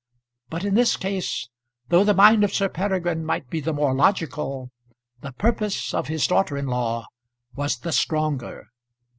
But in this case, though the mind of Sir Peregrine might be the more logical, the purpose of his daughter in law was the stronger.